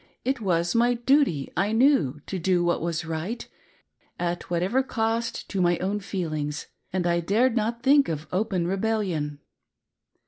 It was my duty, I knew, to do what was right, at whatever cost to my own feelings, and I dared not think of open rebellion.